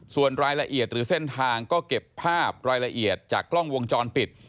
ส่วนรายละเอียดหรือเส้นทางก็เก็บภาพรายละเอียดจากกล้องวงจรปิด